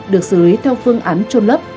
được xử lý theo phương án trôn lấp